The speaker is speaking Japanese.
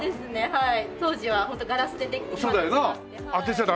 はい。